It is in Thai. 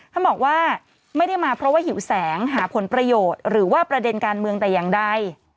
ท่านบอกว่าไม่ได้มาเพราะว่าหิวแสงหาผลประโยชน์หรือว่าประเด็นการเมืองแต่อย่างใด